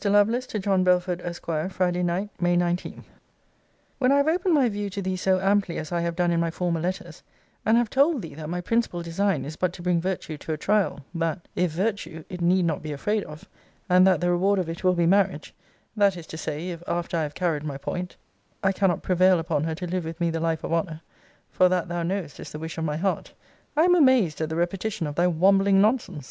LOVELACE, TO JOHN BELFORD, ESQ. FRIDAY NIGHT, MAY 19. When I have opened my view to thee so amply as I have done in my former letters; and have told thee, that my principal design is but to bring virtue to a trial, that, if virtue, it need not be afraid of; and that the reward of it will be marriage (that is to say, if, after I have carried my point, I cannot prevail upon her to live with me the life of honour;* for that thou knowest is the wish of my heart); I am amazed at the repetition of thy wambling nonsense.